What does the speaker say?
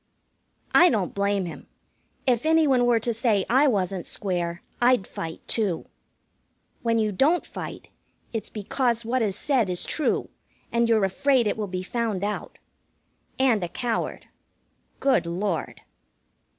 I don't blame him. If any one were to say I wasn't square, I'd fight, too. When you don't fight, it's because what is said is true, and you're afraid it will be found out. And a coward. Good Lord!